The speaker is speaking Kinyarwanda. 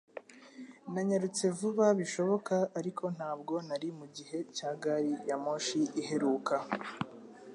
Nanyarutse vuba bishoboka ariko ntabwo nari mugihe cya gari ya moshi iheruka